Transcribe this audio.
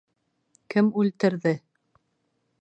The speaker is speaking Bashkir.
Кем үлтерҙе?